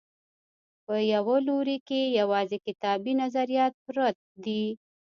په یوه لوري کې یوازې کتابي نظریات پرت دي.